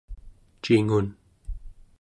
cingun